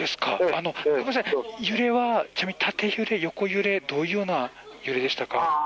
揺れはちなみに縦揺れ、横揺れどういうような揺れでしたか？